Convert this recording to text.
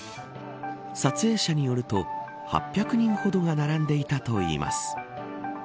撮影者によると８００人ほどが並んでいたといいます。